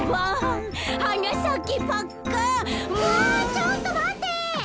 あちょっとまって！